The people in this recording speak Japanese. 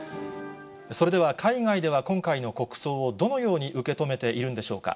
それでは海外では今回の国葬をどのように受け止めているんでしょうか。